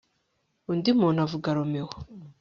undi muntu avuga Romeo